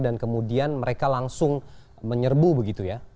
dan kemudian mereka langsung menyerbu begitu ya